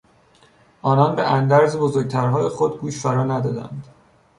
آنان به اندرز بزرگترهای خود گوش فرا ندادند.